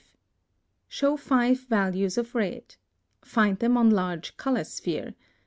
Show FIVE VALUES of RED. Find them on large color sphere.